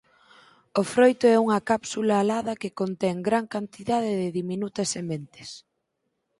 O froito é unha cápsula alada que contén gran cantidade de diminutas sementes.